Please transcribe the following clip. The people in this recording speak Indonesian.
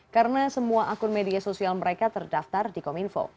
karena semua akun media sosial mereka terdaftar di kominfo